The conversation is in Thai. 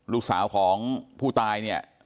ลูกสาวของผู้ตายเนี่ย